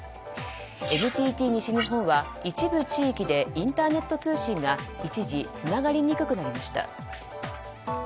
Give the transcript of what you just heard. ＮＴＴ西日本は一部地域でインターネット通信が一時、つながりにくくなりました。